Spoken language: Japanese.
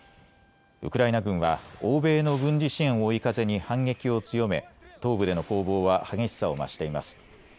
ウクライナ軍は欧米の軍事支援を追い風に反撃を強め東部での攻防は激しさを増しています。